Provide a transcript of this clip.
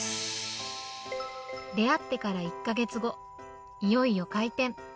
出会ってから１か月後、いよいよ開店。